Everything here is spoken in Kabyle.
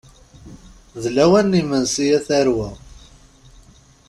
D lawan n yimensi, a tarwa.